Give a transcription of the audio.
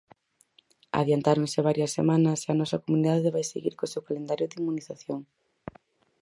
Adiantáronse varias semanas e a nosa comunidade vai seguir co seu calendario de inmunización.